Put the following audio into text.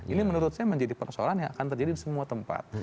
ini menurut saya menjadi persoalan yang akan terjadi di semua tempat